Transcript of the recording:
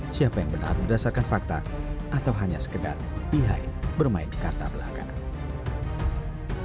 siapa yang benar berdasarkan fakta atau hanya sekedar behind bermain di kata belakang